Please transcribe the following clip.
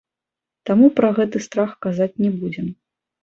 Таму пра гэты страх казаць не будзем.